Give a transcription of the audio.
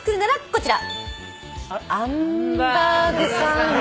こちら。